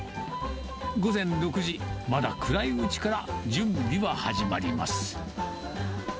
午前６時、まだ暗いうちから準備は始まります。